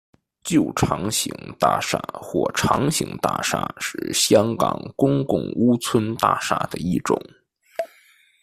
旧长型大厦或长型大厦是香港公共屋邨大厦的一种。